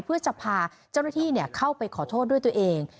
เพื่อจะพาเจ้าหน้าที่เข้าไปขอโทษด้วยตัวเอง